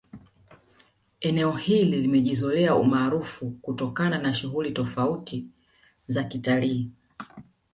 Eneo hili limejizolea umaarufu kutokana na shughuli tofauti za kitalii